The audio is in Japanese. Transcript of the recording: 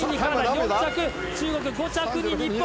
４着、中国、５着に日本。